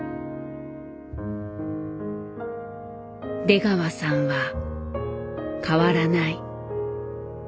出川さんは変わらない。